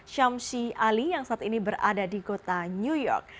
syamsi ali yang saat ini berada di kota new york